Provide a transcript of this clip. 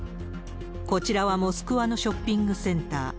こちらはモスクワのショッピングセンター。